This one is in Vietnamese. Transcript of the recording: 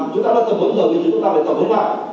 chúng ta đã tập hướng rồi nhưng chúng ta phải tập hướng lại